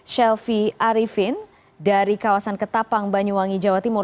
shelfie arifin dari kawasan ketapang banyuwangi jawa timur